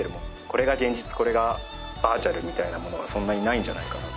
これが現実これがバーチャルみたいなものはそんなにないんじゃないかな。